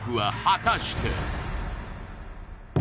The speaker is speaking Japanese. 果たして？